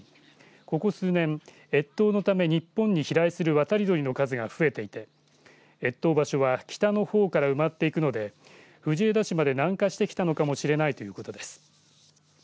ここ数年、越冬のため日本に飛来する渡り鳥の数が増えていて越冬場所は北のほうから埋まっていくので藤枝市まで南下してきたのかもしれないということです。